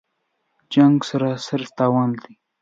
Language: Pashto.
جـنګ سراسر تاوان دی